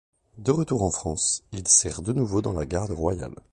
De retour en France, il sert de nouveau dans la Garde royale.